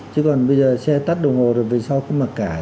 chứ còn bây giờ xe tắt đồng hồ rồi vì sao cũng mặc cả